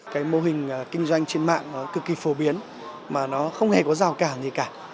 cái mô hình kinh doanh trên mạng nó cực kỳ phổ biến mà nó không hề có rào cản gì cả